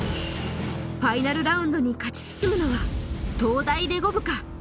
ファイナルラウンドに勝ち進むのは東大レゴ部か？